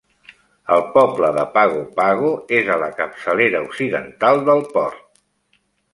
El poble de Pago Pago és a la capçalera occidental del port.